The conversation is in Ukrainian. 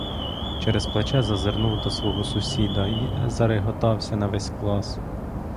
Через плече зазирнув до свого сусіда й зареготався на весь клас.